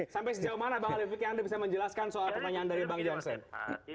sampai sejauh mana bang ali fikri anda bisa menjelaskan soal pertanyaan dari bang johnson